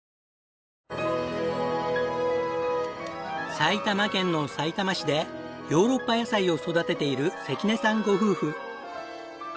埼玉県のさいたま市でヨーロッパ野菜を育てている関根さんご夫婦。